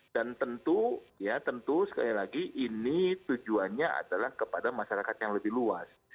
dan tentu sekali lagi ini tujuannya adalah kepada masyarakat yang lebih luas